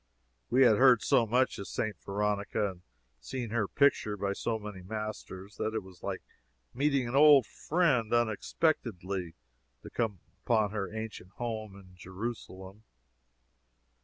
We had heard so much of St. Veronica, and seen her picture by so many masters, that it was like meeting an old friend unexpectedly to come upon her ancient home in Jerusalem.